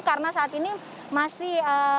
karena saat ini masih